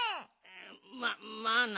ままあな。